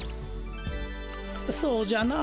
そうじゃな。